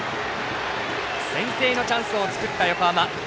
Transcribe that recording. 先制のチャンスを作った横浜。